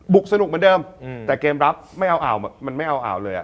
สนุกเหมือนเดิมแต่เกมรับไม่เอาอ่าวมันไม่เอาอ่าวเลยอ่ะ